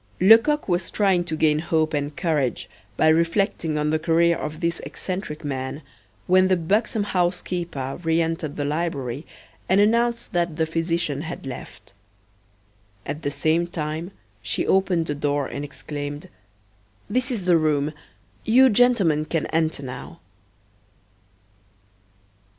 Lecoq was trying to gain hope and courage by reflecting on the career of this eccentric man, when the buxom housekeeper reentered the library and announced that the physician had left. At the same time she opened a door and exclaimed: "This is the room; you gentlemen can enter now."